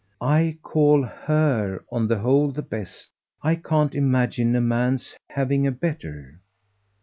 "I call HER on the whole the best. I can't imagine a man's having a better."